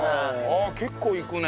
あっ結構いくね！